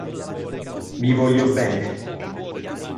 Vi voglio bene!